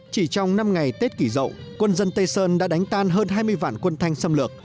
chỉ trong năm ngày tết kỷ rậu quân dân tây sơn đã đánh tan hơn hai mươi vạn quân thanh xâm lược